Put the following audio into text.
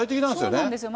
そうなんですよ。